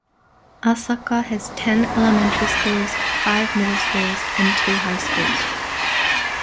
Asaka has ten elementary schools, five middle schools and two high schools.